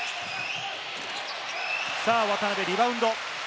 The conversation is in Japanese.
渡邊、リバウンド。